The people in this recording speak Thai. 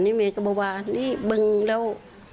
นี่เมย์ก็บอกว่านี่บึงแล้ว